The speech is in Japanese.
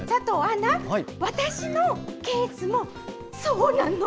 佐藤アナ、私のケースもそうなの。